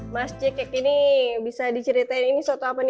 mas jikek ini bisa diceritakan ini soto apa nih